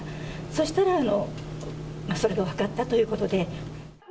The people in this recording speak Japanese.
そうしたら、それが分かったということで。